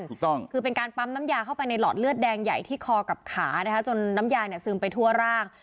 ถูกต้องคือเป็นการปั๊มน้ำยาเข้าไปในหลอดเลือดแดงใหญ่ที่คอกับขานะคะจนน้ำยาเนี่ยซึมไปทั่วร่าง